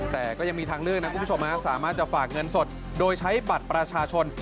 แต่ก็ยังมีทางเลือกนะคุณผู้ชมสามารถจะฝากเงินสดโดยใช้บัตรประชาชน